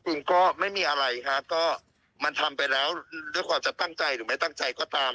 คุณก็ไม่มีอะไรฮะก็มันทำไปแล้วด้วยความจะตั้งใจหรือไม่ตั้งใจก็ตาม